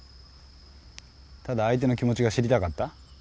ただ相手の気持ちが知りたかった？